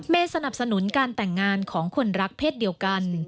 สนับสนุนการแต่งงานของคนรักเพศเดียวกัน